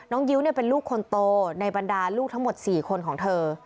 ยิ้วเป็นลูกคนโตในบรรดาลูกทั้งหมด๔คนของเธอ